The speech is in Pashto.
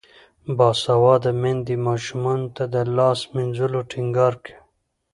باسواده میندې ماشومانو ته د لاس مینځلو ټینګار کوي.